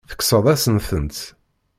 Tekkseḍ-asent-tent.